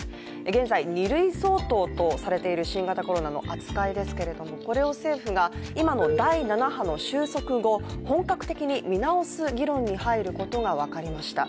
現在、２類相当とされている新型コロナの扱いですけれどもこれを政府が、今の第７波の収束後、本格的に見直す議論に入ることが分かりました。